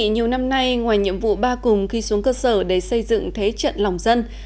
nhiều năm nay ngoài nhiệm vụ ba cùng khi xuống cơ sở để xây dựng thế trận lòng dân